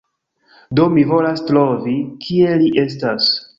Do, mi volas trovi... kie li estas